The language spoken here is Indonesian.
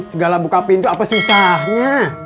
segala buka pintu apa susahnya